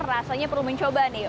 rasanya perlu mencoba nih